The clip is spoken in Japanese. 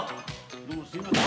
どうもすいません。